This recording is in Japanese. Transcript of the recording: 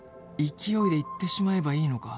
勢いで言ってしまえばいいのか？